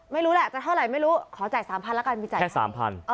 ไม่รู้แหละจะเท่าไหร่ไม่รู้ขอจ่าย๓๐๐แล้วกันมีจ่ายแค่๓๐๐